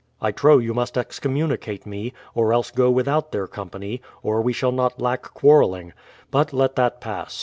I trow you must excommunicate me, or else go without their company, or we shall not lack quarrelling; hut let that pass.